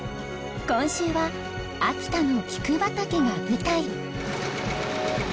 今週は秋田のキク畑が舞台。